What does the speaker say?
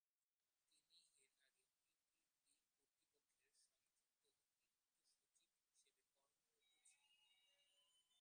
তিনি এর আগে পিপিপি কর্তৃপক্ষের সংযুক্ত অতিরিক্ত সচিব হিসেবে কর্মরত ছিলেন।